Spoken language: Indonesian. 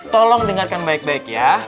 tolong dengarkan baik baik ya